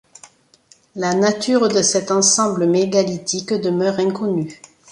La nature de cet ensemble mégalithique demeure inconnue.